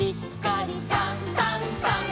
「さんさんさん」